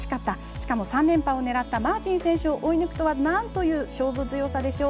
しかも３連覇を狙ったマーティン選手を追い抜くとはなんという勝負強さでしょう。